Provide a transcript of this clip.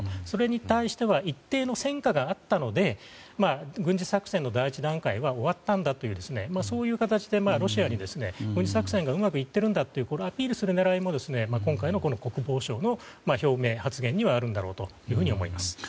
それに対しては一定の戦果があったので軍事作戦の第１段階は終わったんだという形でロシアに軍事作戦がうまくいっているんだというアピールも今回の国防省の表明、発言にはあるんだろうと思います。